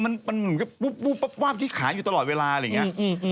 มันมันนึกะปุ๊บปุ๊บปุ๊บที่ขาอยู่ตลอดเวลาอะไรอย่างนี้